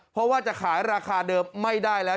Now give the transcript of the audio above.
เพราะว่าจะขายราคาเดิมไม่ได้แล้ว